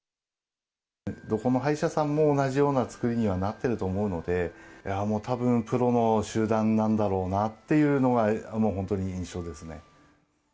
どこの歯医者さんも同じような作りにはなってると思うので、いやもう、たぶん、プロの集団なんだろうなというのがもう本当に印象ですね。